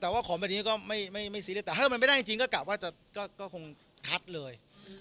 แต่ว่าของแบบนี้ก็ไม่ซีเรียสแต่ถ้ามันไม่ได้จริงก็กลับว่าจะคงคัดเลย